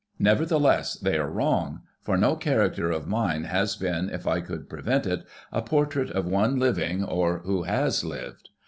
Nevertheless, they are wrong, for no character of mine has been, if I could prevent it, a portrait of one living or who has lived.